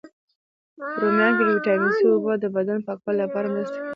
په رومیانو کی د ویټامین C، اوبو د بدن د پاکوالي لپاره مرسته کوي.